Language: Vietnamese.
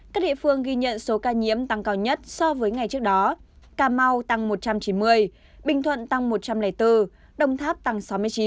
các địa phương ghi nhận số ca nhiễm tăng cao nhất so với ngày trước đó cà mau tăng một trăm chín mươi bình thuận tăng một trăm linh bốn đồng tháp tăng sáu mươi chín